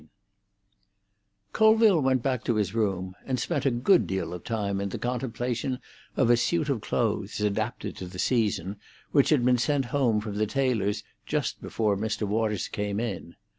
XXIII Colville went back to his own room, and spent a good deal of time in the contemplation of a suit of clothes, adapted to the season, which had been sent home from the tailor's just before Mr. Waters came in.